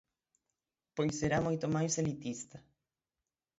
Pois será moito máis elitista.